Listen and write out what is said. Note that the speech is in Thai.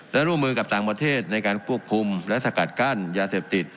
และร่วมมือกับต่างประเทศในการควบคุมและสกัดกั้นยาเสพติด